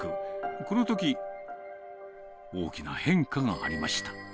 このとき、大きな変化がありました。